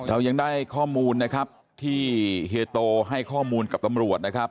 เรายังได้ข้อมูลนะครับที่เฮียโตให้ข้อมูลกับตำรวจนะครับ